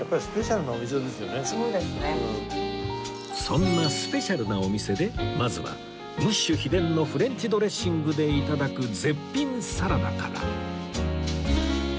そんなスペシャルなお店でまずはムッシュ秘伝のフレンチドレッシングで頂く絶品サラダから